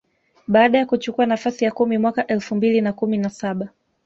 baada ya kuchukua nafasi ya kumi mwaka elfu mbili na kumi na saba